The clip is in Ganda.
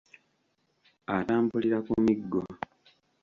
Atambulira ku miggo.